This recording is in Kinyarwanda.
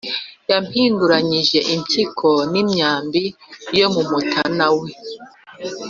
Yampinguranyije impyiko n’imyambi yo mu mutana we.